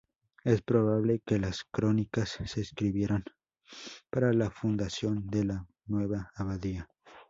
Es probable que las crónicas se escribieran para la fundación de la nueva abadía.